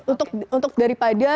untuk daripada kita saling menuduh dia